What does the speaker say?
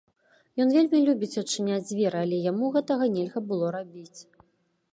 Ён вельмі любіць адчыняць дзверы, але яму гэтага нельга было рабіць.